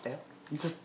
ずっと。